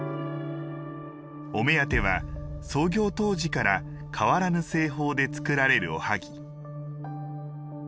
お目当ては創業当時から変わらぬ製法で作られるおはぎ。